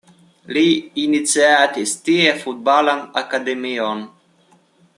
Li iniciatis tie Futbalan Akademion.